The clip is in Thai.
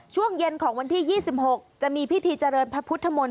ช่วงเย็นของวันที่๒๖จะมีพิธีเจริญพระพุทธมนต